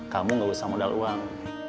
kamu gak usah modal uang